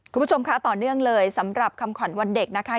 คุณผู้ชมคะต่อเนื่องเลยสำหรับคำขวัญวันเด็กนะคะ